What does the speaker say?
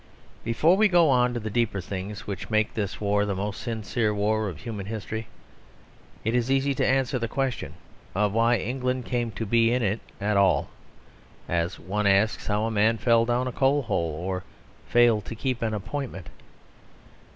Before we go on to the deeper things which make this war the most sincere war of human history, it is easy to answer the question of why England came to be in it at all, as one asks how a man fell down a coal hole, or failed to keep an appointment.